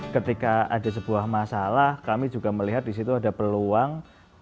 ketika ada sebuah masalah kami juga melihat di situ ada peluang